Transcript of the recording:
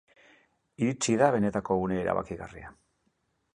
Iritsi da benetako une erabakigarria.